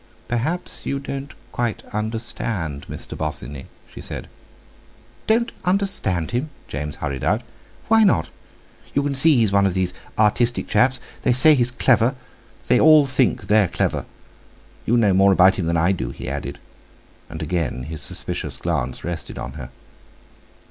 "Perhaps you don't quite understand Mr. Bosinney," she said. "Don't understand him!" James hummed out: "Why not?—you can see he's one of these artistic chaps. They say he's clever—they all think they're clever. You know more about him than I do," he added; and again his suspicious glance rested on her.